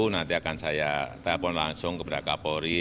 nanti akan saya telepon langsung kepada kak pohri